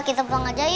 kita pulang aja yuk